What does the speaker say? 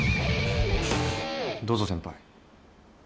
どうぞ先輩。